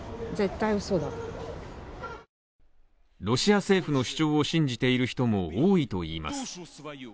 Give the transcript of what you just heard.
ロシア政府の主張を信じている人も多いといいます。